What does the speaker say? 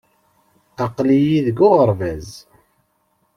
Aql-iyi deg uɣerbaz.